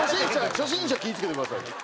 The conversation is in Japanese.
初心者気ぃ付けてください。